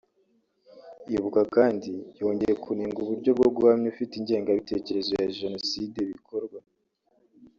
Ibuka kandi yongeye kunenga uburyo bwo guhamya ufite ingengabitekerezo ya Jenoside bikorwa